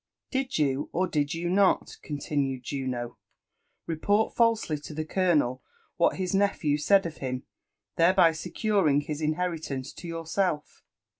"Did you, or did you not," continued Juno, report falsely to the colonel what his nephew said of him, thereby securing his inheritance to yourself?"